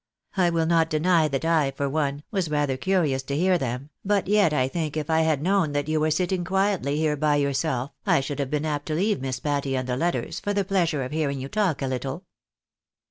I will not deny that I, for one, was rather curious to hear them, but yet I think if I had known that you were sitting quietly here by yourself, I should have been ajpt to leave Miss Patty and the letters, for the pleasure of hearing you talk a little."